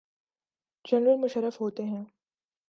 General Musharraf ہوتے ہیں۔